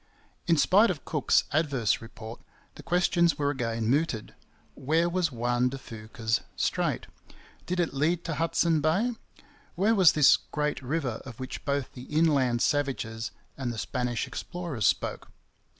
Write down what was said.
In spite of Cook's adverse report, the questions were again mooted: Where was Juan de Fuca's strait? Did it lead to Hudson Bay? Where was this Great River of which both the inland savages and the Spanish explorers spoke?